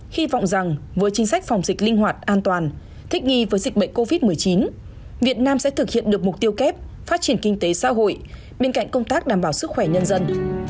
hy vọng rằng với chính sách phòng dịch linh hoạt an toàn thích nghi với dịch bệnh covid một mươi chín việt nam sẽ thực hiện được mục tiêu kép phát triển kinh tế xã hội bên cạnh công tác đảm bảo sức khỏe nhân dân